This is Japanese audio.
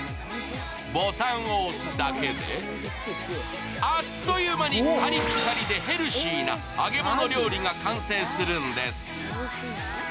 ボタンを押すだけであっという間にカリッカリでヘルシーな揚げ物料理が完成するんです。